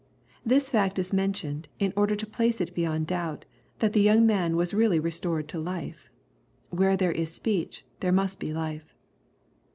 ] This fact is mentioned, in order to place it beyond doubt, that the young man was really restored to life. Where there is speech, there must be life.